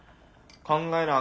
考えなあ